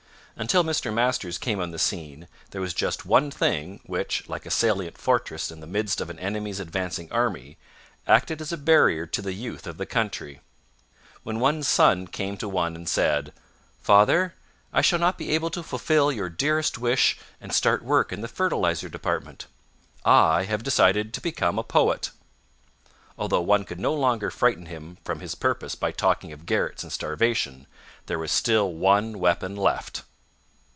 Until Mr. Masters came on the scene there was just one thing which, like a salient fortress in the midst of an enemy's advancing army, acted as a barrier to the youth of the country. When one's son came to one and said, "Father, I shall not be able to fulfill your dearest wish and start work in the fertilizer department. I have decided to become a poet," although one could no longer frighten him from his purpose by talking of garrets and starvation, there was still one weapon left.